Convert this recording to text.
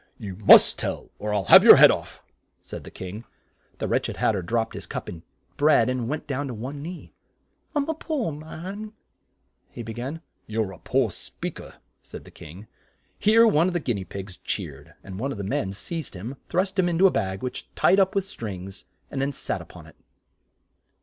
"You must tell or I'll have your head off," said the King. The wretch ed Hat ter dropped his cup and bread, and went down on one knee. "I'm a poor man," he be gan. "You're a poor speak er," said the King. Here one of the guin ea pigs cheered, and one of the men seized him, thrust him in to a bag which tied up with strings, and then sat up on it.